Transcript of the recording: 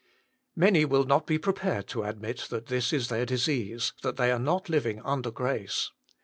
Many will not be prepared to admit that this is their disease, that they are not living " under grace."